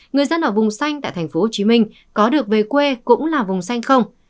người dân ở vùng xanh tại tp hcm có được về quê cũng là vùng xanh không